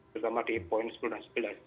terutama di poin sepuluh dan sebelas